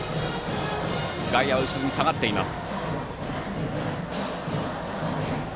外野は後ろに下がっています。